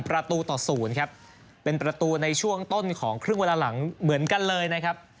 ประตูต่อ๐ครับเป็นประตูในช่วงต้นของครึ่งเวลาหลังเหมือนกันเลยนะครับ